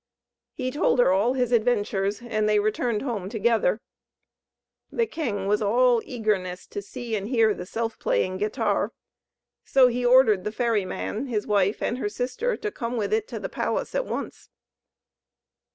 He told her all his adventures, and they returned home together. The king was all eagerness to see and hear the Self playing Guitar; so he ordered the ferry man, his wife, and her sister to come with it to the palace at once.